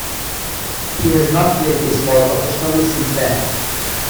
He has not played baseball professionally since then.